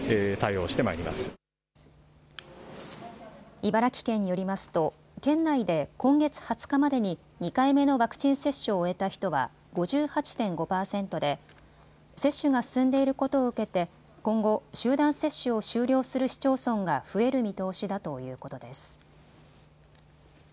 茨城県によりますと県内で今月２０日までに２回目のワクチン接種を終えた人は５８．５％で接種が進んでいることを受けて今後、集団接種を終了する市町村が増える見通しだということです。